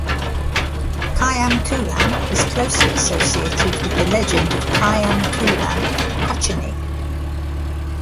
Kayamkulam is closely associated with the legend of Kayamkulam Kochunni.